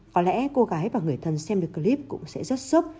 có lẽ cô gái và người thân xem được clip cũng sẽ rất sốc